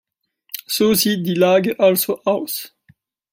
So sieht die Lage also aus.